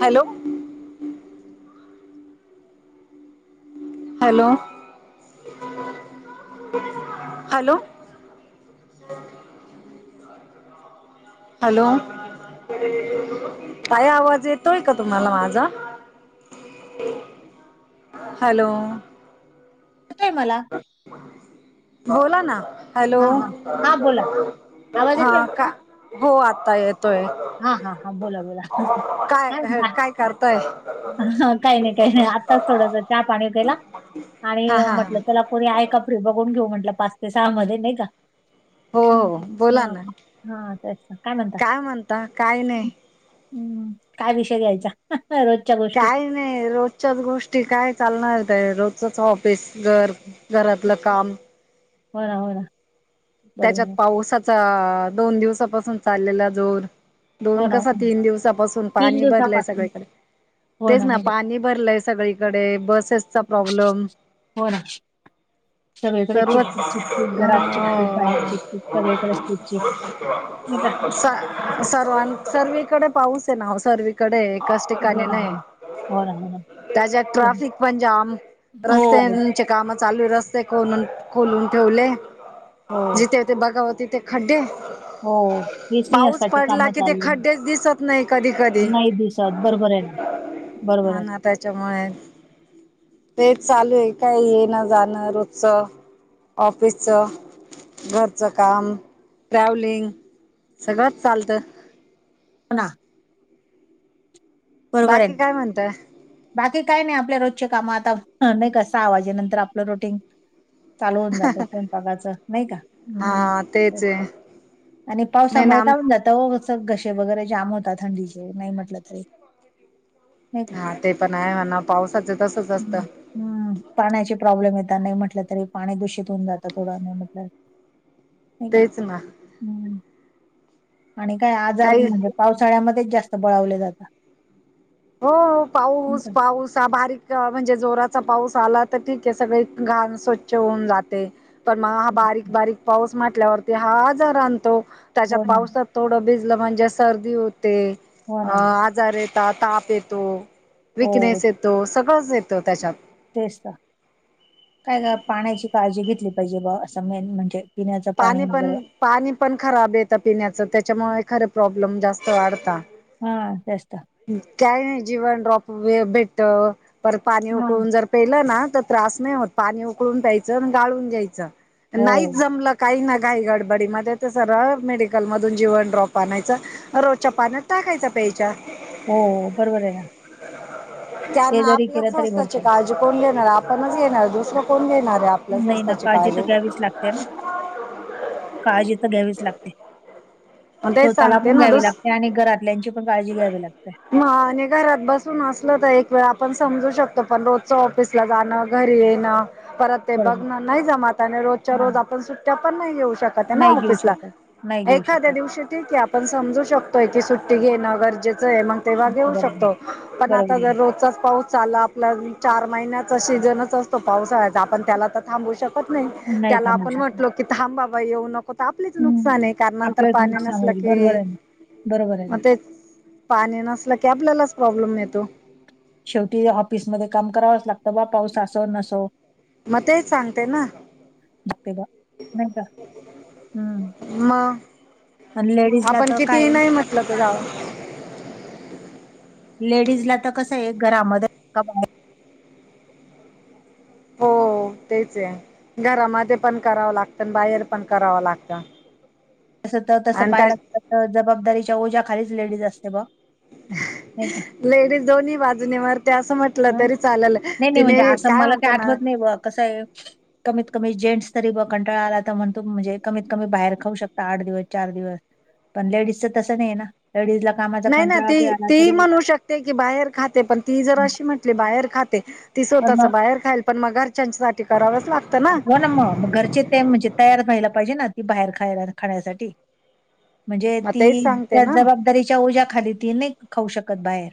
Hello. Hello. Hello. Hello. ताई आवाज येतोय का तुम्हाला माझा? [unintelligible] हॅलो. येतोय मला. बोला ना. हॅलो. हा हा हा बोला आवाज हा येतोय ना का? हो आत्ता येतोय. हा हा हा. बोला बोला. काय काय म्हणता? करताय ह काही नाही काही नाही. आत्ताच थोडंसा चहा पाणी केला. आणि हा हा हा म्हटलं चला कोणी आहे फ्री बघून घेऊ म्हंटलं. पाच ते सहा मध्ये नाही का? हो हो हम्म बोला हा ना हा तेच ना. काय म्हणता? आता कास नाही. हम्म काय विषय घ्यायचा? रोज काय नाही रोजच्याच गोष्टी. काय चालणारेते रोजचच ऑफिस घर. घरातलं काम. होय ना होर ना. बरोबर त्याच्यात आहे. पावसाचा दोन दिवसापासून चाललेला जोर. हो दोन ना हो कसा ना. तीन दिवसापासून तीन पाणी भरलंय दिवसापासून सगळीकड. तेच ना पाणी भरलंय सगळीकडे. बसेस हो ना, सगळीकडे सर्वच चीपचीप चीपचीप, घरात चीप चीप बाहेर चीपचीप. सगळकडे चिपचिप. नाही का? स सर्वांन सर्वीकडे पाऊसे ना ओ. सर्वी कडय. एकाच हो ठिकाणी ना नाही. हो ना हो ना त्याच्यात हो ना ट्राफिक पण जाम. हो रस्ताय चे काम चालू येथे. रस्ते खोदून खोलून ठेवले. हो, जिथे यते बघाव तिथे खड्डे. हो. हे पाऊस सिंहस्थाची पडला कामं कि, ते चालू आहे. खड्डेच दिसत नाही कधी कधी. बरोबरे ना. हा बरोबरे. ना त्याच्यामुळे ते चालूये. काय येण जाणं रोजच. ऑफिसच. घरचं काम, ट्रॅव्हलिंग. सगळंच चालतं. हो ना. बरोबरे बाकी ना. काय म्हणताय बाकी काय नाही आपल्या रोजच्या काम आता नाही का सा वाजे नंतर आपलं रोटीन. चालू होऊन जातं स्वयंपाकाचं नाही का? हम्म हा तर तेच का आहे आणि नाही ना पावसामुळे आम काढून जात त उसक गसे वगैरे जाम होता थंडीचे नाही म्हटलं तरी. नाही का? हा ते पण आहे म्हणा पावसाचं तसच असत. हम्म पाण्याची प्रॉब्लेम येत नाही म्हटलं तरी पाणी दूषित होऊन जातं थोडं नाही म्हटलं नाही का? तेच ना आणि काय आजार काही म्हणजे पावसाळ्यामध्येच जास्त बळवले जाता. हो हो पाऊस का? पाऊस ह बारीक जेव्हा म्हणजे जोराचा पाऊस आला तर ठीक आहे सगळे घाण स्वच्छ होऊन जाते. पण मग हा बारीक बारीक पाऊस म्हटल्यावरती हा आजार आणतो. त्याच्या हो ना, पावसात थोडं भिजलं म्हणजे सर्दी होते हो अ ना. आजार येतात ताप येतो. हो विकनेस येतो, सगळंच येतो त्याच्यात. तेच तर काय का पाण्याची काळजी घेतली पाहिजे बा असं मेन म्हणजे पिण्याचं पाणी पण वगैरे पाणी पण खराब येतं पिण्याचं त्याच्यामुळे खरं प्रॉब्लेम जास्त वाढता. हा जास्त काही नाही जीवन ड्रॉप भेट पर पाणी हा उकळून जर पेलना त्रास नाही होत. पाणी उकून प्यायच गाळून घेयचं हो नाही जमल काही ना घही गडबडीमध्ये तर सरळ मेडिकलमधून जीवन ड्रॉप आणायचं. रोजच्या पाण्यातत टाकायचा प्यायच्या. त्या हो बरोबर आहे ना म ते जरी आपल्या केलं तरी स्वस्तचे भरपूर काळजी कोण घेणार आपणच येणार दुसर कोण घेणार आहे? आपल्या नाही ना स्वस्ताची काळजी तर घ्यावीच लागते ना? काळजी तर घ्यावीच लागते. मग तेच स्वतःला सांगते पण ना घ्यावी दुस लागते आणि घरातल्यांची पण काळजी घ्यावी लागते. म आणि घरात बसून असलं तर एक वेळ आपण समजू शकतो पण रोजच ऑफिसला जाणं घरी येणं परत ते बरोबर बघण नाही जमात आणि रोजच्या नाही रोज आपण सुट्ट्या पण नाही येऊ शकत ना नाही घेऊ ऑफिसला. शकत नाही घेऊ शकत. तशी ठिक आपण समजू शकतोय की सुट्टी घेणं गरजेचं आहे मग तेव्हा घेऊ बरोबर आहे ना, शकतो पण आता बरोबर आहे जर रोजचाच पाऊस चाला ल चार महिन्याचा सीझनच असतो पावसाळ्याचा आपण त्याला तर थांबू शकतो कत नाय ना नाही त्याला थांबू आपण शकत म्हटलो की थांब बाबा येऊ नको आपलीच हम्म. नुकसान आहे कार तर आपलंच पाणी नुकसान नसल होईल कि बरोबर आहे ना बरोबर आहे मग ना ते पाणी नसलं की आपल्यालाच प्रॉब्लेम येतो. शेवटी ऑफिसमध्येध्ये काम करावंच लागतं बा पाऊस असो नसो. मग ते सांगते ना. लागते बा नाही का हम्म म आणि लेडीजला आपण तर किती काय नाही म्हटलं तर लेडीज ला तर कसं आहे एक घरामध्य ना बाहेर हो तेच हे. घरामध्ये पण करावं लागतं आणि बाहेर पण करावं लागतं. तस तर तसं आणि त्या पाहायलागत जबाबदारीच्या ओझ्या खालीच लेडीज असते बॉ नाही का? लेडीज दोन्ही बाजूने मरते असं म्हट हं नाही नाही म्हणजे असं मला काही म्हणता ना आठवत नाही ब कसं आहे कमीत कमी जेंट्स तरी ब कंटाळा आला तर म्हणतो म्हणजे कमीत कमी बाहेर खाऊ शकता आठ दिवस चार दिवस. पण लेडीजच तसं नाही ना लेडीज ला कामाचा नाही ना कंट्रोलळ ती आला ती तरी. म्हणू शकते की बाहेर खातें पणं ती जरं अशी म्हटंली बाहेर खातें ती पण स्वंतःचं मग बाहेर खांय. पणं मगं घरंच्यांसाठी करावंच लागतं. ना हो नां मगं घरचे ते म्हणजे तयार व्हांयला पाहिजे नां ती बाहेर खांयला खाण्यांसाठी म्हणजे मग ती तेच सांगते त्यां ना जबांबदारीच्यां ओज्यांखाली ती नाहीं खाऊं शकतं बाहेर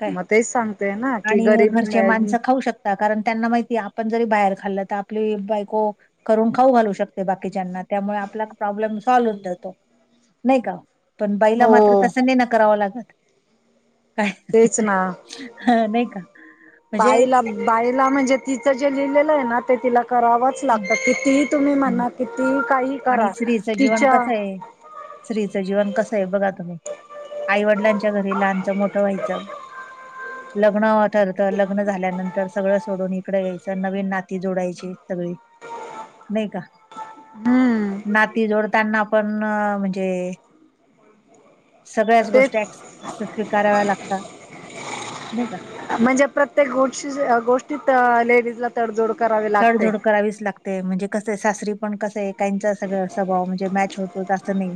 कायं मग तेच सांगते ना की आणि घरंचे गरीब माणसं खाऊं शकतं कारणं त्यांना माहिती आपणं जरी बाहेर खाल्लं तरी आपली बायको करूंन खाऊं घालूं शकते बाकीच्यांना त्यामुळें आपलां प्रॉब्लेम सॉल्व जातो नाहीं कां. पणं बाईला हो मात्रं तसं ने नं करावं लागतं. कायं तेच ना हं नाहीं कां म्हणजे. बाईला बाईला म्हणजे तिचं जे लिहिलेलं आहे नां ते तिलां करावंच हं, लागतं कि ती तुम्हीं हं. म्हणतं. किती कांहीं. आणि स्त्रीचं जीवंन कसं आहे स्त्रीचं जीवंन कसं आहे बघां तुम्हीं. आईवडिलांच्या घरी लहांनचं मोठं व्हांयचं. लग्नं ठरतं लग्नं झाल्यानंतर सगळं सोडूंन इकडें यायचं नवीन नाती जोडांयची सगळीं. नाहीं कां. हम्मं. नांती जोडं त्यांनां पणं म्हणजे. सगळ्यांचं तेच गोष्टीकं स्वीकांराव्यां लागतांत नाहीं कां. म्हणजे प्रत्येक गोष्टी गोष्टींत लेडीज लां तडजोड करांवी लागते. करांवीस लागते. ते म्हणजे कसं सासरी पणं कसं एक. सगळं स्वंभाव म्हणजे मॅच होतों नाहीं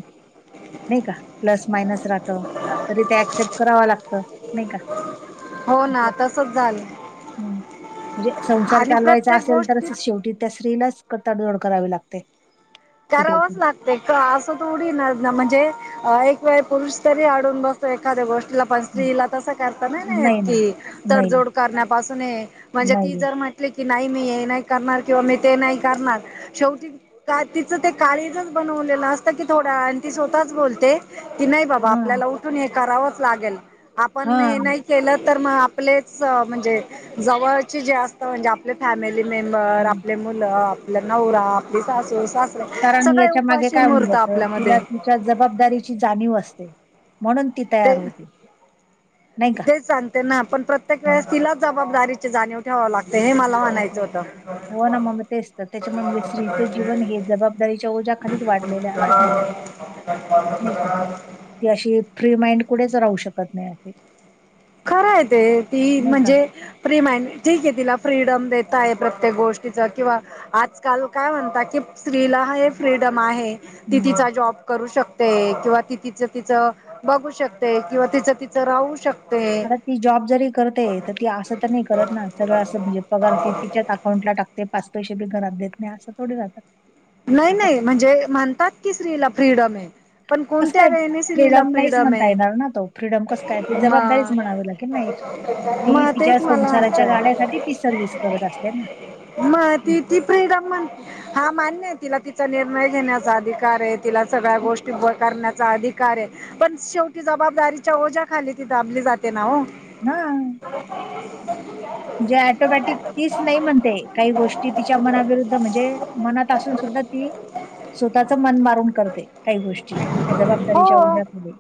नाहीं कां प्लस मायनसं रा. तरी ते अऍक्सेप्ट करावं लागतं नाहीं कां. हो ना तसच झालं हम्मं म्हणजे संसार आणि चालवांयचा. प्रत्येक असेल तरं गोष्टीत शेवटी त्यां स्त्रीलांच तडजोड करांवी लागते. कुठे पण करायचं लागते असं ते थोडी नां म्हणजे एक वेळं पुरुंष तरी अडूंन बसं तो. ते एखाद्यां गोष्टीलां पणं हं. स्त्रीलां तसं करतं नाहीं नां येतं नाही ना की. नाही तडजोड करण्यांपासून आहे म्हणजे ती नाही जरं. की नाहीं मी हे नाहीं करणारं किंवा मी ते नाहीं करणारं शेवटी. का तिचं ते कार्यक्रम बनवलेलं असतं की थोडां आणि ती स्वंतःचं बोलते की नाहीं बाबां हं आपल्यांला. हे करायचं लागेल आपणं हे हं नाहीं. केलं तरं मगं आपलेच म्हणजे जवळंचे जे असतं म्हणजे. आपले फॅमिली मेंबर हं आपले मुलं आपलां नवरां आपली सासूस. कारणं यांच्या मागे कायं म्हणलं तरं आपल्यामध्ये तिलां. च्यां जबांबदारीची जाणीव असते म्हणूंन ती तयार होते. नाही का तेचं सांगते नां पणं प्रत्येक मग वेळेस तिलांच जबांबदारीची जाणीव ठेवावं लागते हे मलां. हो नां मगं तेचं तरं त्यांच्यामुळे म्हणजे स्त्रीचं जीवन हे जबांबदारीच्या ओजा. खालीचं वाढलेलं आहे असंच नाहीं कां. ती अशी फ्री माइंड कुंठेचं राहूं शकतं नाहीं आहे. खरं आहे ते ती नाही का म्हणजे. फ्री माइंड ठीक आहे तिलां फ्रीडम देतं आहे प्रत्येक गोष्टीचं किंवा. आंजकांल कायं म्हणतं की स्त्रीला हे फ्रीडम आहे ती हं तिचां जॉब करूं शकते किंवा ती तिचं तिचं बघूं शकते किंवा तिचं तिचं राहूं शकते. आता ती जॉब जरी करते तरी ती असं तरं नाहीं करतं नां सगळं असं म्हणजे पगांर ती तिच्यांच अकाउंटला टाकते. ते पांच पैसेे बी घरांत देतं नाहीं असं थोडी राहतं - नाही नाही म्हणजे म्हणतात की स्त्री ला फ्रीडम आहे. पण कसं कोणत्या काय वेहिने स्रीला नाहीच फ्रीडम म्हणता आहे येणार ना तो फ्रीडम कसं काय ती जबाबदारीच हा म्हणावी लागेल ना एक ती म तिच्या तेच मला संसाराच्या म्हणायचंय. गाड्यासाठी ती सर्व्हिस करत असते ना म त ती फ्रीडम म्हण हा मान्य आहे तिला तिचा निर्णय घेण्याचा अधिकार आहे. तिला सगळ्या गोष्टी उभ करण्याचा आधिक आहे पण शेवटी जबाबदारीच्या ओज्याखाली ती दाबली जाते ना हो.. ह म्हणजे ऍटोमॅटिक तीच नाही म्हणते. काही गोष्टी तिच्या मनाविरुद्ध म्हणजे मनात असून सुद्धा ती स्वतःच मन मारून करते काही गोष्टी जबाबदारीच्या हो ओढ्यामध्ये.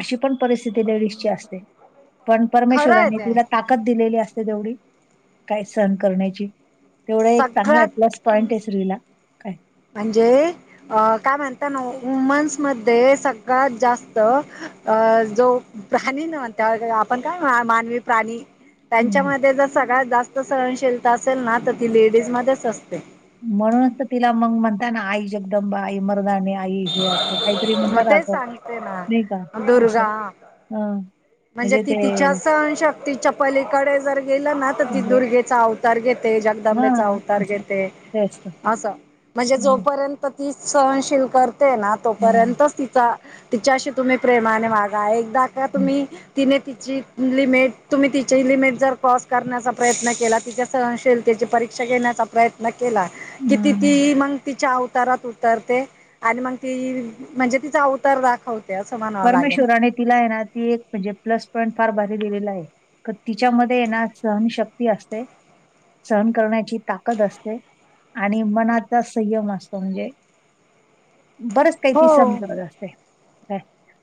अशी पण परिस्थिती लेडीजची असते. पण खरं आहे परमेश्ववरांनी ते तिला ताकद दिलेली असते तेवढी काय सहन करण्याची. तेवढा एक चांगला सगळ्यात प्लस पॉईंट आहे स्त्रीला. काय म्हणजे अ काय म्हणता ना वुमन्स मध्ये सगळ्यात जास्त अ जो प्राणी न म्हणत वै आपण काय मानवी प्राणी- हम्म. त्यांच्यामध्ये जर सगळ्यात जास्त सहनशीलता असेल ना तर ती लेडीज मध्येच असते. म्हणूनच तर तिला मग म्हणता ना आई जगदंबा आई मरवान्या आ हे अस काहीतरी मग म्हणतात तेच आं सांगते ना नाही का अस दुर्गा ह- म्हणजे ती तिच्या सणशक्तीच्या पलीकडे जर गेलं ना तर ती दुर्गे चा अवतार घेते जगदंबेचा हां, अवतार असं घेते ते असतं. अस म्हणजे हं, जोपर्यंत ती सहनशील करते ना हां, तोपर्यंत तिचा तिच्याशी तुम्ही प्रेमाने वागा एकदा का हं, तुम्ही तिने तिची लिमिट तुम्ही तिची लिमिट जर क्रॉस करण्याचा प्रयत्न केला तिच्या सहशीलतेची परीक्षा घेण्याचा प्रयत्न प्रयत्न केला किती ती हं. मग तिच्या अवतारात उतरते. आणि मग ती म्हणजे तिचा अवतार दाखवते. असं म्हणावं लागेल परमेश्वरान तिला आहे ना ती एक म्हणजे प्लस पॉईंट फार भारी दिलेला आहे तर तिच्यामध्ये ये ना सहनशक्ती असते. सहन करण्याची ताकद असते. आणि मनाचा संयम असतो म्हणजे बरच काही ती हो समजवत असते काय-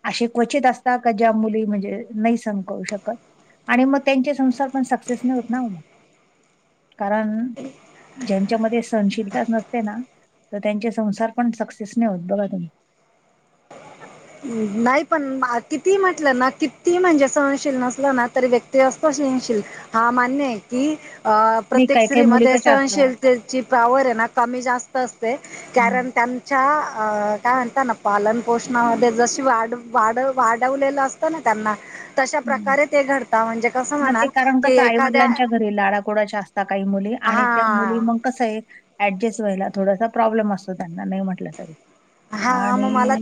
अअशे क्वचित असतात का ज्या मुली म्हणजे नाही सम करू शकत आणि मग त्यांचे संसार पण सक्सेस नाही होत ना मग कारण ज्यांच्यामध्ये सहनशिलताच नसते ना तर त्यांचे संसार पण सक्सेस नाही होत बघा तुम्ही. नाही पण किती म्हटलं ना किती म्हणजे सहनशील नसला ना तरी व्यक्ती असत सहनशील. हा मान्य आहे की अ नाही प्रत्येक काही-काही स्त्री मुली मध्ये कशा असतात सहनशीलते ची पावर आहे ना कमी जास्त असते. हं, कारण त्यांच्या अ काय म्हणता ना पालन पोषणामध्ये- जशी वा वाढवलेलं असतं ना त्यांना तशा हं. प्रकारे ते घडता म्हणजे कसं हां, ते म्हणाल कारण की कसं एखाद्या आई-वडिलांच्या लाडाकोडाच्या असता काही मुली आणि त्या मुली हा मग कस आहे ऍडजस्ट व्हायला थोडासा प्रॉब्लेम असतो त्यांना नाही म्हटलं तरी हा मग मला आणि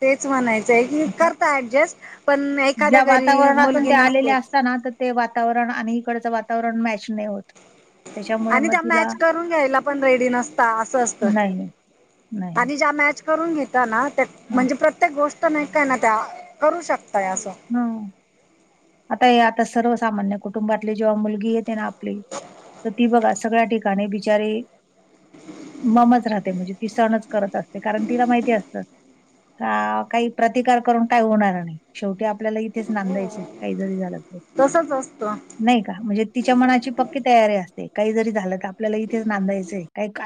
तेच म्हणायचंय की असं करता ऍडजस्ट पण एखाद्या घरी मुलगी नसते. असताना तर ते वातावरण आणि इकडचं वातावरण मॅच नाही होत. त्याच्यामुळे आणि मग त्या तिला मॅच करून घ्यायला पण रेडी नसता असं असत नाही, नाही. आणि ज्या मॅच- करून घेता ना हां, म्हणजे प्रत्येक गोष्ट नाही काय ना त्या करू शकताय असं. हा आता हे आता सर्वसामान्य कुटुंबातली जेव्हा मुलगी येते ना आपली- तर ती बघा सगळ्या ठिकाणी बिचारी- ममच राहते म्हणजे ती सहनच करत असते कारण तिला माहिती असतात. काही प्रतिकार करून काय होणार नाही शेवटी आपल्याला इथेच नांदायचे काही जरी झालं तरी. तसच असतं. नाही का म्हणजे तिच्या मनाची पक्की तयारी असते काही जरी झालं तर आपल्याला इथेच नांदायचंय काही